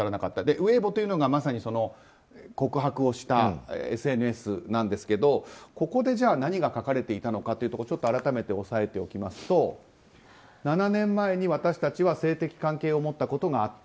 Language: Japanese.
ウェイボーというのがまさに、告白をしたＳＮＳなんですがここで何が書かれていたのかというのを改めて押さえておきますと７年前に私たちは性的関係を持ったことがあった。